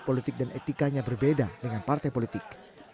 politik dan etikanya berbeda dengan partai politik